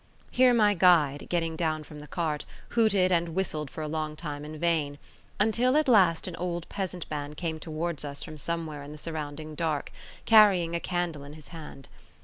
Here, my guide, getting down from the cart, hooted and whistled for a long time in vain; until at last an old peasant man came towards us from somewhere in the surrounding dark, carrying a candle in his hand.